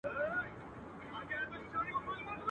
زور لري چي ځان کبابولای سي.